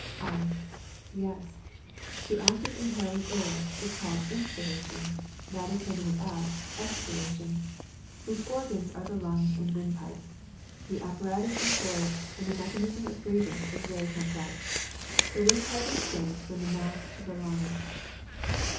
I. Yes. The act of inhaling air, is called inspiration; that of sending it out, expiration. Its organs are the lungs and windpipe. The apparatus employed in the mechanism of breathing is very complex. The windpipe extends from the mouth to the lungs.